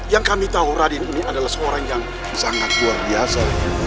yang kami tahu raden ini adalah seorang yang sangat luar biasa